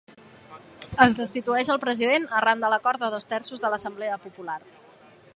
Es destitueix el president arran de l'acord de dos terços de l'Assemblea Popular.